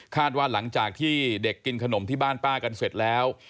ว่าหลังจากที่เด็กกินขนมที่บ้านป้ากันเสร็จแล้ว